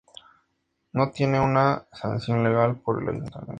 No tiene una sanción legal por el ayuntamiento.